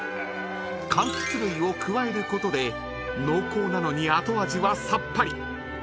［かんきつ類を加えることで濃厚なのに後味はさっぱり］